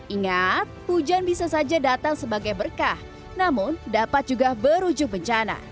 ingat hujan bisa saja datang sebagai berkah namun dapat juga berujung bencana